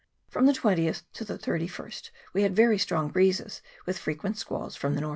From the 20th to the 31st we had very strong breezes with frequent squalls from the N.W.